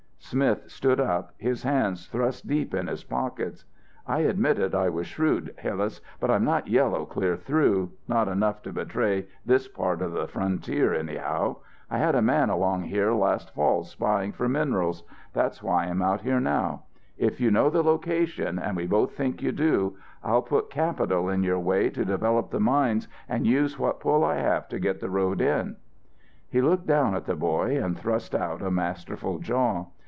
Smith stood up, his hands thrust deep in his pockets. "I admitted I was shrewd, Hillas, but I'm not yellow clear through, not enough to betray this part of the frontier anyhow. I had a man along here last fall spying for minerals. That's why I'm out here now. If you know the location, and we both think you do, I'll put capital in your way to develop the mines and use what pull I have to get the road in." He looked down at the boy and thrust out a masterful jaw.